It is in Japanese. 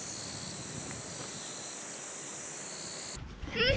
うん！